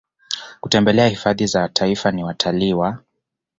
kutembelea hifadhi za Taifa ni watalii wa